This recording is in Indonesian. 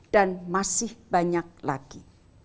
dan masih banyak lagi